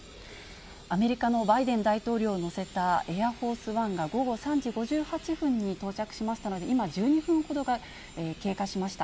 アメリカのバイデン大統領を乗せたエアフォースワンが、午後３時５８分に到着しましたので、今、１２分ほどが経過しました。